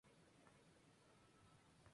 En este grupo toca la batería y canta.